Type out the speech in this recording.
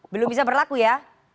belum bisa berlaku ya